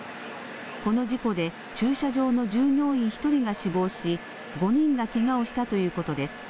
この事故で、駐車場の従業員１人が死亡し、５人がけがをしたということです。